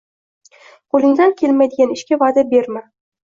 Qo’lingdan kelmaydigan ishga va’da berma.